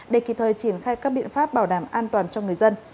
để kịp thời triển khai các biện pháp bảo đảm an toàn cho người dân